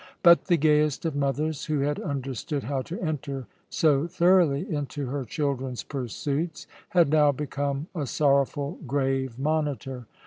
But the gayest of mothers, who had understood how to enter so thoroughly into her children's pursuits, had now become a sorrowful, grave monitor.